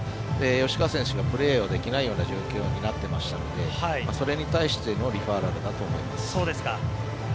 吉川選手プレーをできないような状況になっていましたのでそれに対してのリファーラルだと思います。